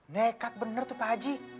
nekat bener tuh pak haji